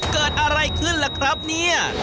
เกิดอะไรขึ้นล่ะครับเนี่ย